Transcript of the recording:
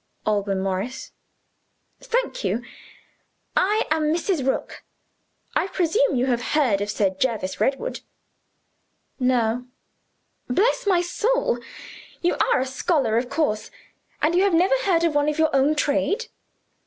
"Alban Morris." "Thank you. I am Mrs. Rook. I presume you have heard of Sir Jervis Redwood?" "No." "Bless my soul! You are a scholar, of course and you have never heard of one of your own trade.